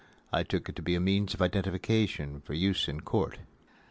I took it to be a means of identification for use in court.